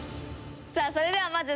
さあそれではまず。